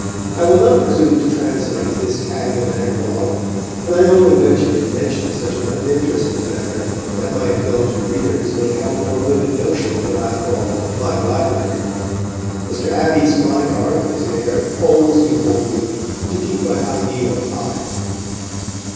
I will not presume to translate this tag of an eclogue, and I only venture to mention such an uninteresting matter, that my indulgent readers may have a more vivid notion of what I call my library. Mr. Abbey's fine art is there, always before me, to keep my ideal high.